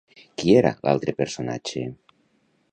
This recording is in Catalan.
Qui era l'altre personatge?